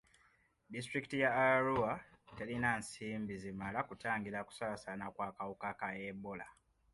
Disitulikiti ya Arua telina nsimbi zimala kutangira kusaasaana kw'akawuka ka Ebola.